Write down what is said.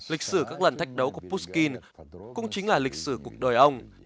lịch sử các lần thách đấu của puskin cũng chính là lịch sử cuộc đời ông